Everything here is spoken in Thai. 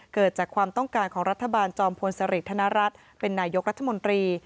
เกิดจากความต้องการของรัฐบาลจอมพลสริธนรัฐเป็นนายกรัฐมนตรี